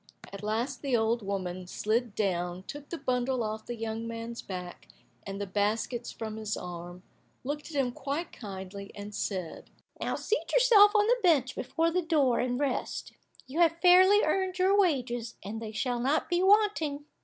At last the old woman slid down, took the bundle off the young man's back, and the baskets from his arm, looked at him quite kindly, and said, "Now seat yourself on the bench before the door, and rest. You have fairly earned your wages, and they shall not be wanting."